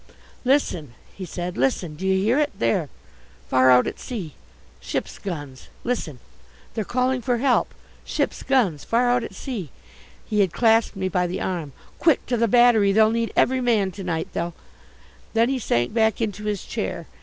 "Listen," he said, "listen. Do you hear it there far out at sea ships' guns listen they're calling for help ships' guns far out at sea!" He had clasped me by the arm. "Quick, to the Battery, they'll need every man to night, they'll " Then he sank back into his chair.